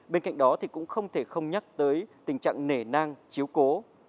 bên cạnh đó thì cũng không thể không nhắc tới tình trạng nể nang chiếu cố